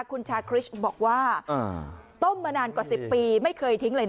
คุณชาคริสต์บอกว่าต้มมานานกว่า๑๐ปีไม่เคยทิ้งเลยนะ